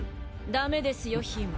だめですよヒム。